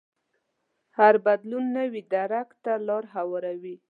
هر بدلون نوي درک ته لار هواروي.